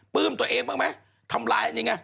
ปลื้มตนเองบ้างมั้ยทำลายอันนี้ไง